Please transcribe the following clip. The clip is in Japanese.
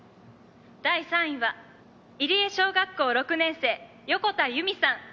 「第３位は入江小学校６年生横田由美さん」